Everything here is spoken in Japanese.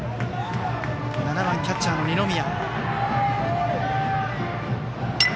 打者は７番キャッチャーの二宮。